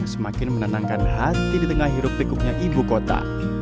semakin menenangkan hati di tengah hirup pikuknya ibu kota